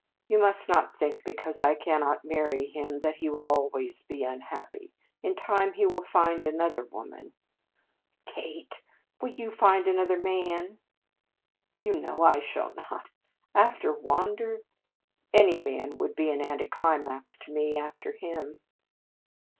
You must not think because I cannot marry him that he will always be unhappy. In time he will find another woman " "Kate! Will you find another man?" "You know I shall not! After Wander? Any man would be an anticlimax to me after him."